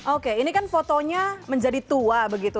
oke ini kan fotonya menjadi tua begitu